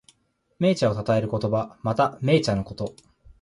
銘茶をたたえる言葉。また、銘茶のこと。